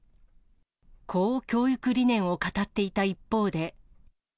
こう教育理念を語っていた一方で。